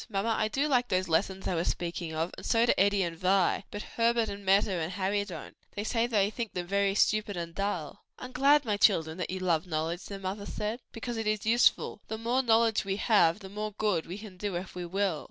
Mamma, I do like those lessons I was speaking of, and so do Eddie and Vi; but Herbert and Meta and Harry don't; they say they think them very stupid and dull." "I am glad, my children, that you love knowledge," their mother said, "because it is useful; the more knowledge we have the more good we can do if we will."